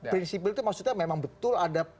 prinsipil itu maksudnya memang betul ada